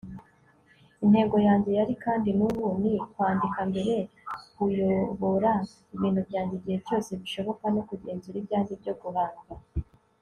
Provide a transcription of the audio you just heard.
intego yanjye yari, kandi n'ubu ni, kwandika mbere, kuyobora ibintu byanjye igihe cyose bishoboka no kugenzura ibyanjye byo guhanga